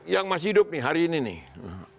yang masih hidup nih hari ini nih